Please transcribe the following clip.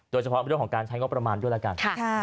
โดยเฉพาะเรื่องของการใช้งบประมาณด้วยแล้วกัน